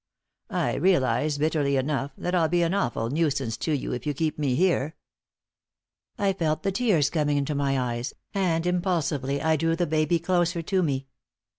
I realize, bitterly enough, that I'll be an awful nuisance to you if you keep me here." I felt the tears coming into my eyes, and impulsively I drew the baby closer to me.